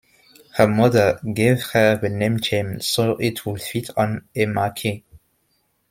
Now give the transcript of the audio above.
Her mother gave her the name Jane so it would fit on a marquee.